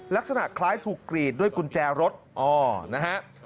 ลักษณะคล้ายถูกกรีดด้วยกุญแจรถนะฮะ